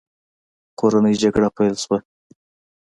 کورنۍ جګړه پیل شوه.